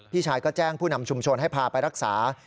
ชายก็แจ้งผู้นำชุมชนให้พาไปรักษา